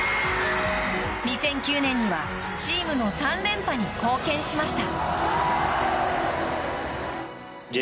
２００９年にはチームの３連覇に貢献しました。